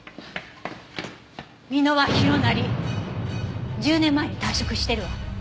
「箕輪宏成」１０年前に退職してるわ。